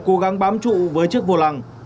cố gắng bám trụ với chiếc vô lăng